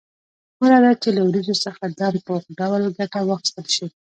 غوره ده چې له وریجو څخه دم پوخ ډول ګټه واخیستل شي.